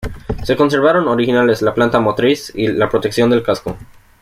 Se conservaron originales la planta motriz y la protección del casco.